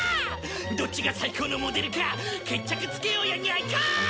どっちが最高のモデルか決着つけようやニャいかい！